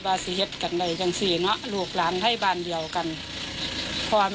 มาจากลวกร้านไทยดียังเป็นคนใหญ่